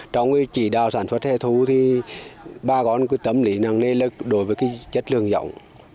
trong cái chỉ đào sản xuất hẻ thu thì ba con cái tâm lý năng lê là đối với cái chất lượng giọng